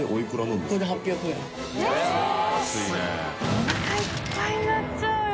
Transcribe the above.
おなかいっぱいになっちゃうよ。